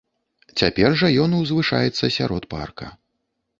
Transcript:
Цяпер жа ён узвышаецца сярод парка.